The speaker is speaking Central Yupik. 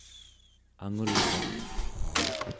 angulvak